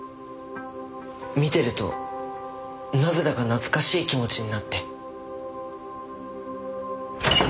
見てるとなぜだか懐かしい気持ちになって。